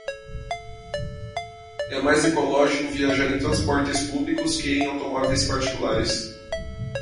É mais ecológico viajar em transportes públicos que em automóveis particulares.